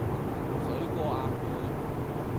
水過鴨背